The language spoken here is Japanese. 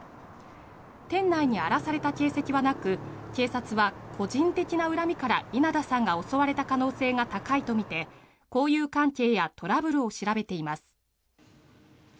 店内に荒らされた形跡はなく警察は個人的な恨みから稲田さんが襲われた可能性が高いとみて交友関係やトラブルを調べています。